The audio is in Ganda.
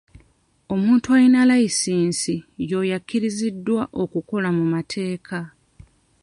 Omuntu alina layisinsi y'oyo akkiriziddwa okukola mu mateeka.